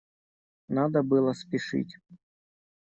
Надо было спешить.